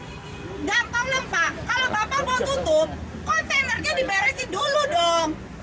kalau bapak mau tutup kontainernya diberesin dulu dong